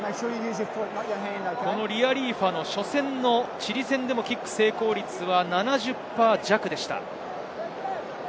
このリアリーファノは、初戦のチリ戦でもキック成功率は７０％弱でした。